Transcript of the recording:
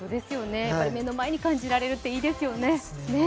目の前に感じられるっていいですよね。